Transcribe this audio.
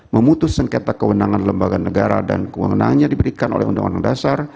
memutus sengketa kewenangan lembaga negara dan kewenangannya diberikan oleh undang undang dasar